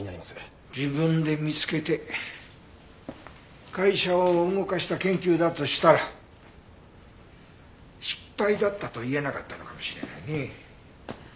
自分で見つけて会社を動かした研究だとしたら失敗だったと言えなかったのかもしれないね。